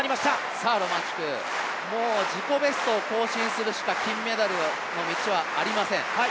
さあロマンチュク、もう自己ベストを更新するしか金メダルへの道はありません。